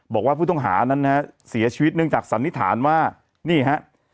บอกว่าผู้ต้องหานั้นนะฮะเสียชีวิตเนื่องจากสันนิษฐานว่านี่ฮะ